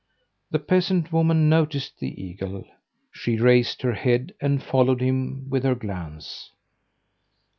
The peasant woman noticed the eagle. She raised her head and followed him with her glance.